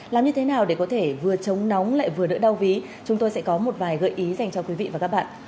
làm như thế nào để có thể vừa chống nóng lại vừa đỡ đau ví chúng tôi sẽ có một vài gợi ý dành cho quý vị và các bạn